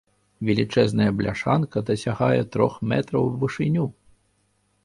Велічэзная бляшанка дасягае трох метраў у вышыню.